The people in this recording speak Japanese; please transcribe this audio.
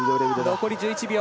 残り１１秒。